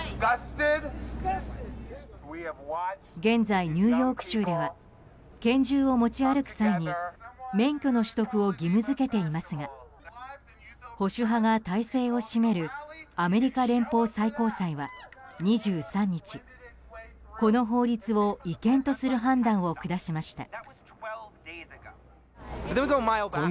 現在、ニューヨーク州では拳銃を持ち歩く際に免許の取得を義務付けていますが保守派が大勢を占めるアメリカ連邦最高裁は２３日、この法律を違憲とする判断を下しました。